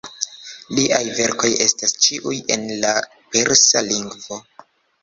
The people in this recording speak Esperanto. Liaj verkoj estas ĉiuj en la persa lingvo.